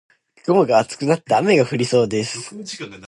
雲が厚くなって雨が降りそうです。